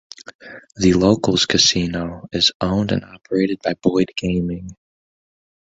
This locals' casino is owned and operated by Boyd Gaming.